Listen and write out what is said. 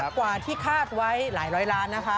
กว่าที่คาดไว้หลายร้อยล้านนะคะ